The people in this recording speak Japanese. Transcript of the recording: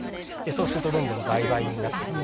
そうするとどんどん倍々になっていく。